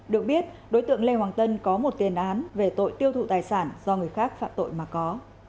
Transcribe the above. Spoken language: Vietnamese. được biết đối tượng lê hoàng tân có một tiền án về tội tiêu thụ tài sản do người khác phạm tội mà có